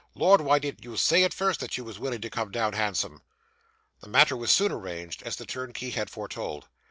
Lord! why didn't you say at first that you was willing to come down handsome?' The matter was soon arranged, as the turnkey had foretold.